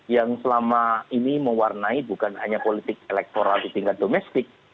yang selama ini mewarnai bukan hanya politik elektoral di tingkat domestik